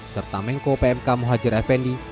serta menko pmk muhajir effendi